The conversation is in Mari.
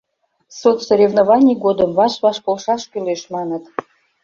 «Соцсоревнований годым ваш-ваш полшаш кӱлеш, маныт.